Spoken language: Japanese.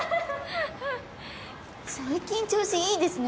最近調子いいですね。